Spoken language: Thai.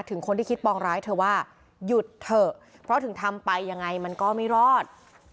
ถึงคนที่คิดปองร้ายเธอว่าหยุดเถอะเพราะถึงทำไปยังไงมันก็ไม่รอด